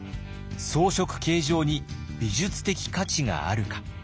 装飾形状に美術的価値があるか。